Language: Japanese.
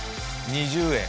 ２０円。